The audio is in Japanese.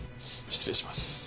失礼します。